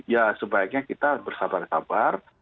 ya sebaiknya kita bersabar sabar